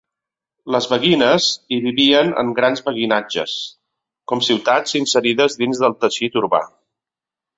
Les beguines hi vivien en grans beguinatges, com ciutats inserides dins del teixit urbà.